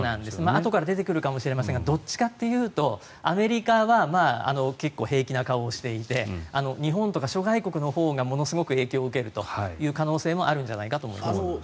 あとから出てくるかもしれませんがどっちかというとアメリカは結構、平気な顔をしていて日本とか諸外国のほうがものすごく影響を受けるという可能性もあるんじゃないかと思います。